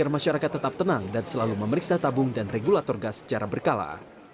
masyarakat tetap tenang dan selalu memeriksa tabung dan regulator gas secara berkala